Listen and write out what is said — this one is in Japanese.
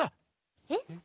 えっ？